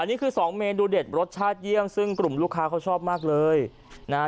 นี่คือสองเมนูเด็ดรสชาติเยี่ยมซึ่งกลุ่มลูกค้าเขาชอบมากเลยนะฮะ